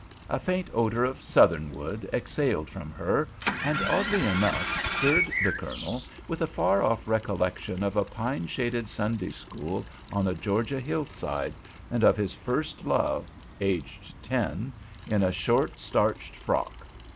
A faint odor of southernwood exhaled from her, and, oddly enough, stirred the Colonel with a far off recollection of a pine shaded Sunday school on a Georgia hillside and of his first love, aged ten, in a short, starched frock.